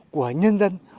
của nhân dân